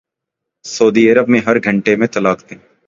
سعودی Arab میں ہر گھنٹے میں طلاقیں